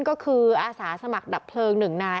ก็คืออาสาสมัครดับเพลิงหนึ่งนาย